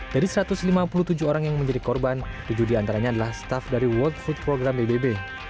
dari satu ratus lima puluh tujuh orang yang menjadi korban tujuh diantaranya adalah staff dari world food program pbb